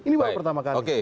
ini baru pertama kali